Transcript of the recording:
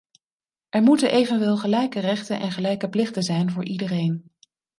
Er moeten evenwel gelijke rechten en gelijke plichten zijn voor iedereen.